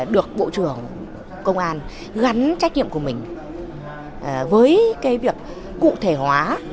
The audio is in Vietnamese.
được bộ trưởng công an gắn trách nhiệm của mình với cái việc cụ thể hóa